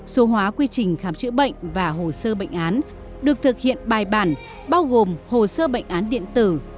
số hóa quy trình khám chữa bệnh và hồ sơ bệnh án được thực hiện bài bản bao gồm hồ sơ bệnh án điện tử